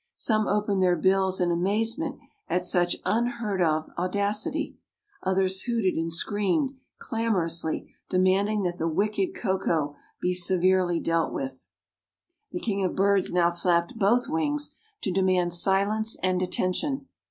Some opened their bills in amazement at such unheard of audacity; others hooted and screamed, clamorously, demanding that the wicked Koko be severely dealt with. The king of birds now flapped both wings to demand silence and attention.